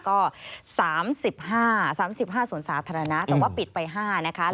ก็๓๕สวนสาธารณะแต่ว่าปิดไป๕นะคะ